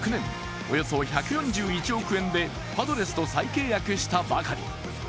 およそ１４１億円でパドレスと再契約したばかり。